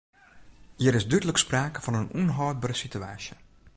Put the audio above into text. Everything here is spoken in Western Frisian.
Hjir is dúdlik sprake fan in ûnhâldbere sitewaasje.